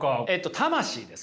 魂です